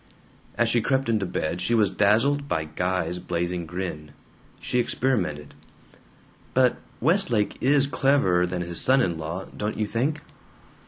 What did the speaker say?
As she crept into bed she was dazzled by Guy's blazing grin. She experimented: "But Westlake is cleverer than his son in law, don't you think?"